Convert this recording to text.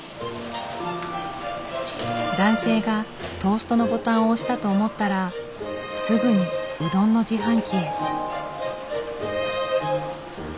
男性がトーストのボタンを押したと思ったらすぐにうどんの自販機へ。